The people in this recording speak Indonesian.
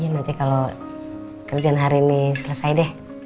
nanti kalau kerjaan hari ini selesai deh